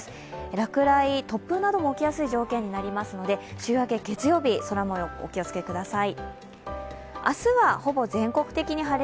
落雷、突風なども起きやすい条件になりますので、週明け月曜日、空もようお気を付けください。